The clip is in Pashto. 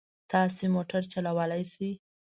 تاسو موټر چلولای شئ؟